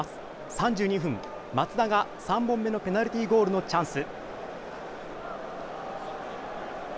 ３２分、松田が３本目のペナルティーゴールのチャンス。